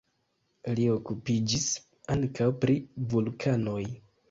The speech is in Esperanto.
Li okupiĝis ankaŭ pri vulkanoj.